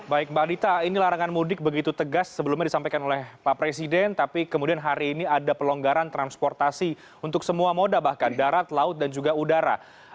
baik mbak adita ini larangan mudik begitu tegas sebelumnya disampaikan oleh pak presiden tapi kemudian hari ini ada pelonggaran transportasi untuk semua moda bahkan darat laut dan juga udara